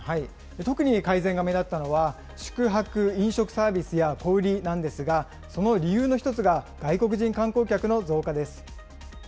特に改善が目立ったのは、宿泊・飲食サービスや小売なんですが、その理由の１つが、外国人観光客の増加です。